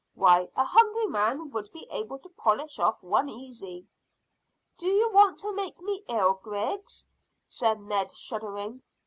Why, a hungry man would be able to polish off one easy." "Do you want to make me ill, Griggs?" said Ned, shuddering.